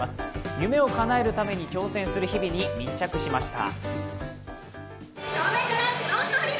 夢をかなえるために挑戦する日々に密着しました。